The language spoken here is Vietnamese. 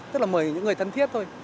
tức là mời những người thân thiết thôi